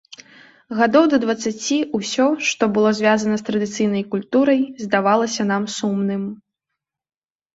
Гадоў да дваццаці ўсё, што было звязана з традыцыйнай культурай, здавалася нам сумным.